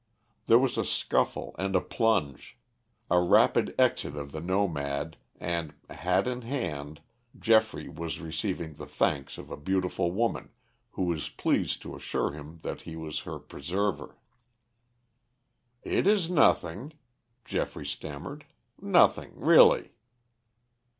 There was a scuffle and a plunge, a rapid exit of the nomad and, hat in hand, Geoffrey was receiving the thanks of a beautiful woman, who was pleased to assure him that he was her preserver. "It is nothing," Geoffrey stammered, "nothing, really."